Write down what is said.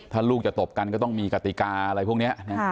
ถ้าลูกจะตบกันก็ต้องมีกติกาอะไรพวกนี้